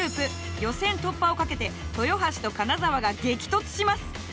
予選突破を懸けて豊橋と金沢が激突します！